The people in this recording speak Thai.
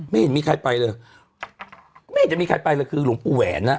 ไม่เห็นมีใครไปเลยไม่เห็นจะมีใครไปเลยคือหลวงปู่แหวนอ่ะ